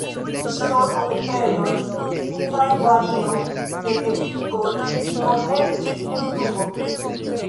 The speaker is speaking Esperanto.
Ŝtormopetreloj uzas varion de teknikoj por helpi en flugo.